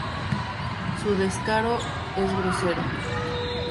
Su descaro es grosero".